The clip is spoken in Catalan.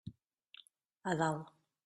A dalt.